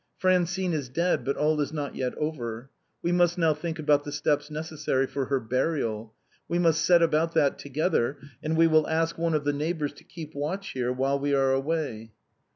Fran cine is dead, but all is not yet over; we must now think about the steps necessary for her burial. We will set about that together, and we will ask one of the neighbors to keep watch here whilst we are away."